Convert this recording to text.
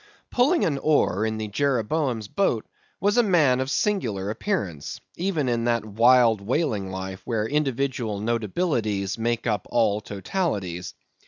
Pulling an oar in the Jeroboam's boat, was a man of a singular appearance, even in that wild whaling life where individual notabilities make up all totalities.